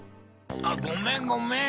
あっごめんごめん。